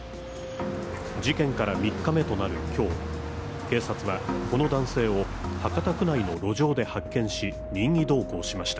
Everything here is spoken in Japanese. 事件から３日目となる今日、警察はこの男性を博多区内の路上で発見し、任意同行しました。